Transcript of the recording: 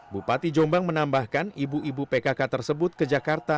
bupati jombang menambahkan ibu ibu pkk tersebut ke jakarta